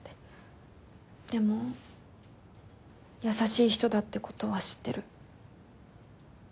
でも優しい人だって事は知ってる。